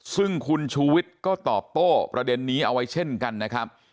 ซึ่งคุณชูวิทย์ก็ตอบโต้ประเด็นนี้เอาไว้เช่นกันนะครับ